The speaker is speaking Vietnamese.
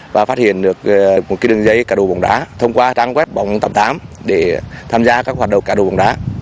và phát hiện được một cái đường dây cá đồ bóng đá thông qua trang web bóng tầm tám để tham gia các hoạt động cá đồ bóng đá